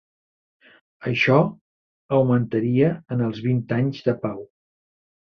Això augmentaria en els vint anys de pau.